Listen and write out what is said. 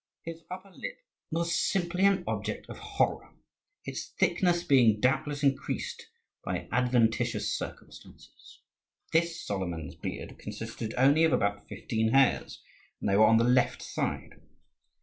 His upper lip was simply an object of horror; its thickness being doubtless increased by adventitious circumstances. This Solomon's beard consisted only of about fifteen hairs, and they were on the left side.